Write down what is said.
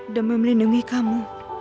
dan memelindungi kamu